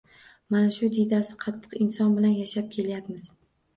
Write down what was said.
Mana shu diydasi qattiq inson bilan yashab kelyapmiz